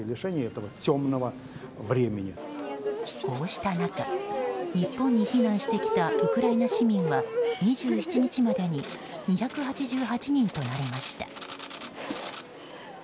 こうした中日本に避難してきたウクライナ市民は２７日までに２８８人となりました。